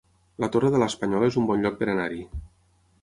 La Torre de l'Espanyol es un bon lloc per anar-hi